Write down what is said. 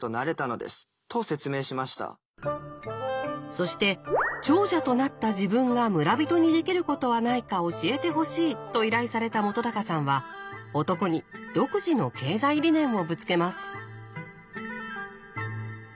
そして「長者となった自分が村人にできることはないか教えてほしい」と依頼された本さんは男に独自の経済理念をぶつけます。